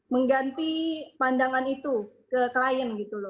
mengganti pandangan itu ke klien gitu loh